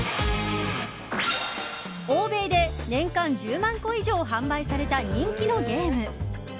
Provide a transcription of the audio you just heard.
欧米で年間１０万個以上販売された人気のゲーム。